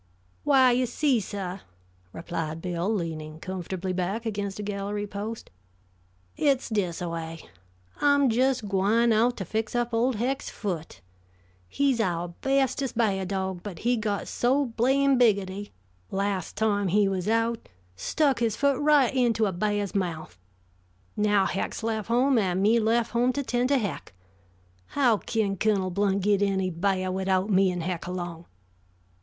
"Why, you see, suh," replied Bill, leaning comfortably back against a gallery post. "It's dis a way. I'm just gwine out to fix up Old Hec's foot. He's ouah bestest b'ah dog, but he got so blame biggoty, las' time he was out, stuck his foot right intoe a ba'h's mouth. Now, Hec's lef' home, an' me lef' home to 'ten' to Hec. How kin Cunnel Blount git any b'ah widout me an' Hec along?